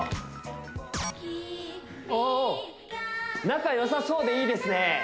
仲良さそうでいいですね